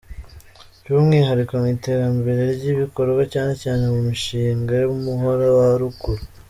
By’umwihariko mu iterambere ry’ibikorwa cyane cyane mu mishinga y’Umuhora wa Ruguru.